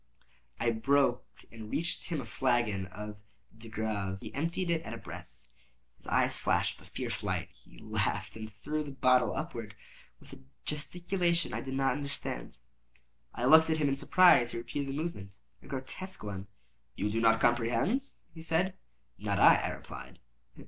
I broke and reached him a flagon of De Grâve. He emptied it at a breath. His eyes flashed with a fierce light. He laughed and threw the bottle upwards with a gesticulation I did not understand. I looked at him in surprise. He repeated the movement—a grotesque one. "You do not comprehend?" he said. "Not I," I replied.